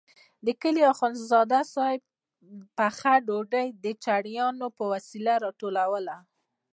د کلي اخندزاده صاحب پخه ډوډۍ د چړیانو په وسیله راټولوله.